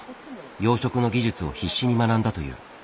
養殖の技術を必死に学んだという。